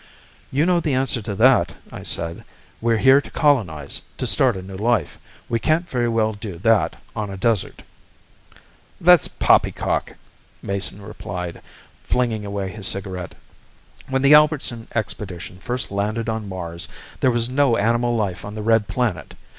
"You know the answer to that," I said. "We're here to colonize, to start a new life. We can't very well do that on a desert." "That's poppycock," Mason replied, flinging away his cigarette. "When the Albertson expedition first landed on Mars, there was no animal life on the red planet.